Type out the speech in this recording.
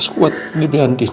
aku harus kuat lebih anding